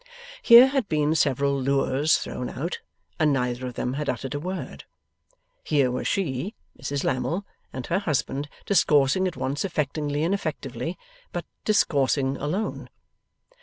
Here had been several lures thrown out, and neither of them had uttered a word. Here were she, Mrs Lammle, and her husband discoursing at once affectingly and effectively, but discoursing alone.